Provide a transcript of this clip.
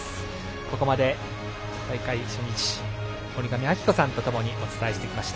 ここまで大会初日森上亜希子さんとともにお伝えしてきました。